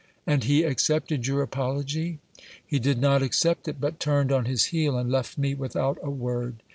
"And he accepted your apology?" "He did not accept it, but turned on his heel and left me without a word.